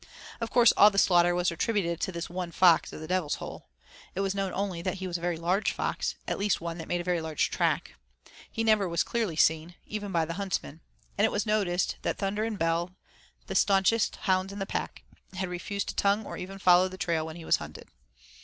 Of course all the slaughter was attributed to this one fox of the Devil's Hole. It was known only that he was a very large fox, at least one that made a very large track. He never was clearly seen, even by the huntsmen. And it was noticed that Thunder and Bell, the stanchest hounds in the pack, had refused to tongue or even to follow the trail when he was hunted.